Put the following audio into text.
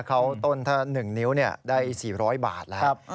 เขาต้นถ้า๑นิ้วได้๔๐๐บาทแล้ว